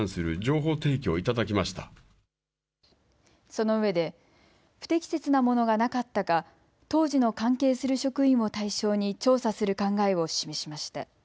そのうえで不適切なものがなかったか当時の関係する職員を対象に調査する考えを示しました。